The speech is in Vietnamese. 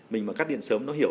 mình mà cắt điện sớm nó hiểu